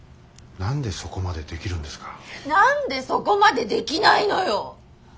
何でそこまでできないのよ！